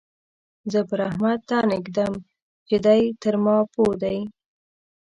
زه پر احمد تن اېږدم چې دی تر ما پوه دی.